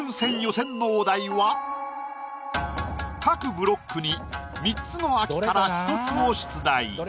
各ブロックに３つの秋から１つを出題。